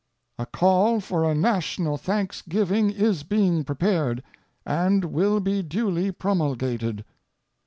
A call for a national thanksgiving is being prepared, and will be duly promulgated.